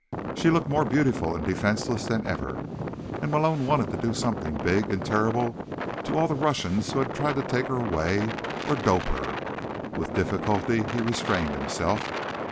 She looked more beautiful and defenseless than ever, and Malone wanted to do something big and terrible to all the Russians who had tried to take her away or dope her. With difficulty, he restrained himself.